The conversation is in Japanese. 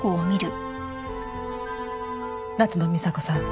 夏野美紗子さん